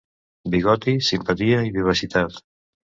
Bigoti, simpatia i vivacitat.